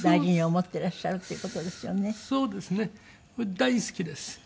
大好きです。